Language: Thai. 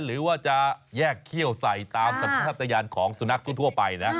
หรือว่าจะแยกเขี้ยวใส่ตามสภาพยานของสุนัขทั่วไปนะ